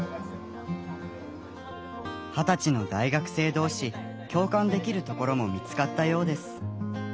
二十歳の大学生同士共感できるところも見つかったようです。